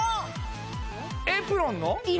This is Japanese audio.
エプロンの？